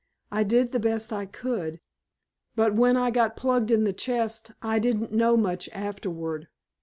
"I did the best I could, but when I got plugged in the chest I didn't know much afterward.